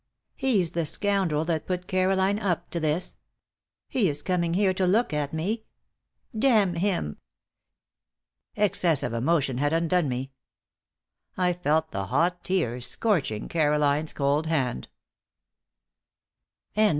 He's the scoundrel that put Caroline up to this. He is coming here to look at me! Damn him!" Excess of emotion had undone me. I felt the hot tears scorching Caroline's cold hand.